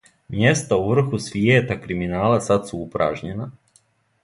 Мјеста у врху свијета криминала сад су упражњена.